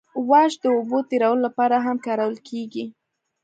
واش د اوبو تیرولو لپاره هم کارول کیږي